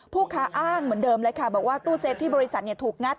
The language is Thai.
ผู้ค้าอ้างเหมือนเดิมเลยค่ะบอกว่าตู้เซฟที่บริษัทถูกงัด